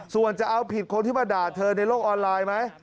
ส่วนจะเอาผิดคนที่มาด่าเธอในโลกออนไลน์ไหม